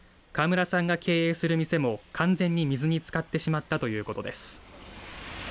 川村さんが経営する店も完全に水につかってしまったということです。